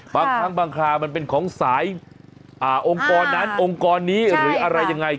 บางครั้งบางคราวมันเป็นของสายองค์กรนั้นองค์กรนี้หรืออะไรยังไง